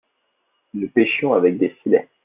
nous pêchions avec des filets.